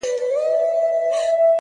• نه به بیا هغه ارغوان راسي ,